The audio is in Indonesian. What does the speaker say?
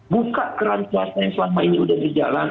buka keran swasta yang selama ini sudah berjalan